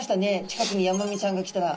近くにヤマメちゃんが来たら。